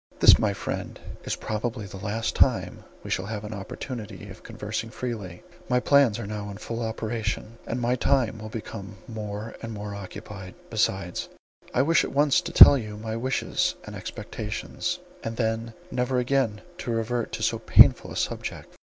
"This, my friend, is probably the last time we shall have an opportunity of conversing freely; my plans are now in full operation, and my time will become more and more occupied. Besides, I wish at once to tell you my wishes and expectations, and then never again to revert to so painful a subject.